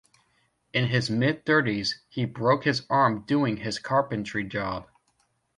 In his mid-thirties, he broke his arm doing his carpentry job.